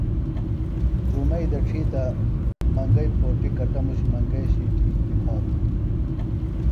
لُومئی دڇھی تہ منگئیۡ پھوٹیۡ کٹموش منگئیۡ شِیٹیۡ نکھاتوۡ ہنوۡ